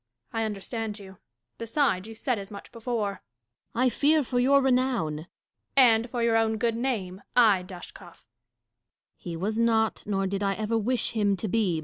I understand you : beside, you said as much before. Dashkof. I fear for your renown. Catharine. And for your own good name — ay, Dashkof 1 Dashkof. He was not, nor did I ever wish him to be.